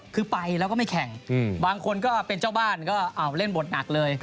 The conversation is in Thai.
คือไปแล้วก็ไม่แข่งบางคนก็เป็นเจ้าบ้านก็เล่นบทหนักเลย